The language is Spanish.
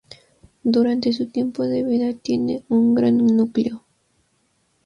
Durante su tiempo de vida tiene un gran núcleo.